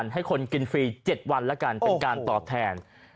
ให้คนกินฟรี๗วันเป็นการตอบแทน